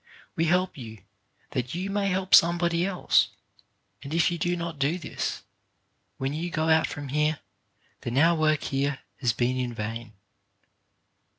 We help you that you may help somebody else, and if you do not do this, when you go out from here, then our work here has been in vain.